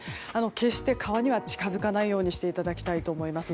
決して川には近づかないようにしていただきたいと思います。